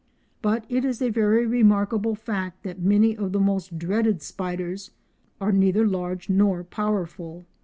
But it is a very remarkable fact that many of the most dreaded spiders are neither large nor powerful.